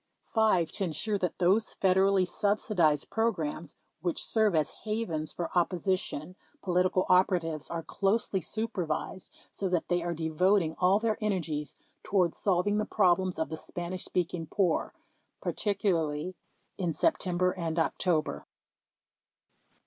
5. To ensure that those Federally subsidized programs which serve as havens for opposition political operatives are closely supervised so that they are devoting all their energies toward solving the problems of the Spanish speaking poor (particularly in September and October)